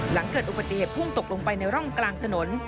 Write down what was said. หลังเกิดอุบัติเหตุพุ่งตกลงไปในร่องกลางถนน